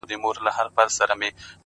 • زما مرور فکر به څه لفظونه وشرنگوي،